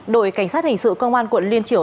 đội cảnh sát hình sự công an quận liên triều